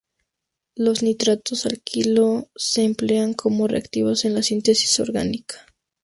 Los nitratos alquilo se emplean como reactivos en la síntesis orgánica.